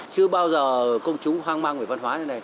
chưa bao giờ công chúng hoang mang về văn hóa như thế này